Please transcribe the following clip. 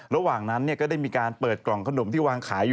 ระหว่างนั้นก็ได้มีการเปิดกล่องขนมที่วางขายอยู่